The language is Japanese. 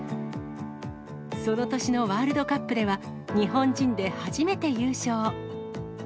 その年のワールドカップでは、日本人で初めて優勝。